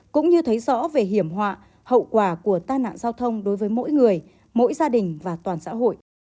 cũng như thấy rõ về hiểm họa hậu quả của tai nạn giao thông đối với mỗi người mỗi gia đình và toàn xã hội